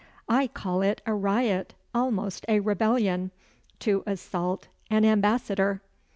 I call it a riot almost a rebellion to assault an ambassador."